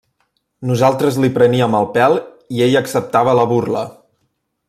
Nosaltres li preníem el pèl i ell acceptava la burla.